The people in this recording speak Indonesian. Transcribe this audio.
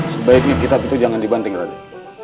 sebaiknya kitab itu jangan dibanting lagi